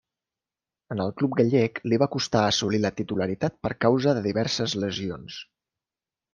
En el club gallec li va costar assolir la titularitat per causa de diverses lesions.